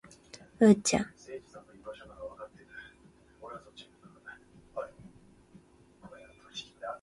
うーちゃん